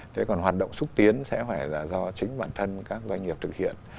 thế còn hoạt động xúc tiến sẽ phải là do chính bản thân các doanh nghiệp thực hiện